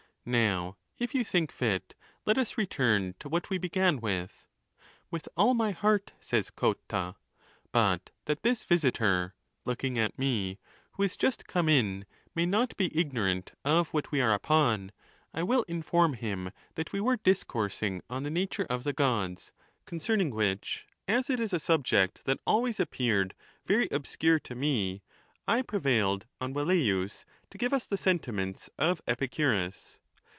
Now, if you think fit, let us return to what we began with. With all my heart, says Cotta. But that this visitor (looking at me), who is just come in, may not be ignorant of what we are upon, I will inform him that we v.ere dis coursing on the nature of the G ods ; concerning which, as it is a subject that always appeared very obscure to me, I prevailed on Velleius to give us the sentiments of Epicu rus.